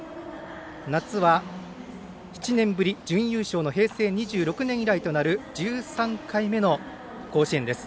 夏は７年ぶり準優勝の平成２６年以来となる１３回目の甲子園です。